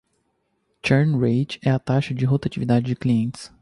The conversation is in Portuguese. Churn Rate é a taxa de rotatividade de clientes.